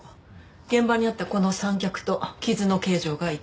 現場にあったこの三脚と傷の形状が一致した。